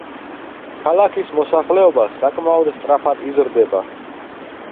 ქალაქის მოსახლეობა საკმაოდ სწრაფად იზრდება.